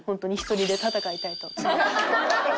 １人で戦いたい？